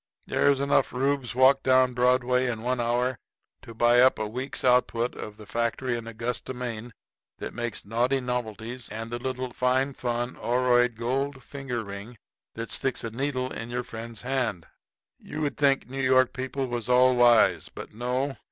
There's enough Reubs walk down Broadway in one hour to buy up a week's output of the factory in Augusta, Maine, that makes Knaughty Knovelties and the little Phine Phun oroide gold finger ring that sticks a needle in your friend's hand. You'd think New York people was all wise; but no.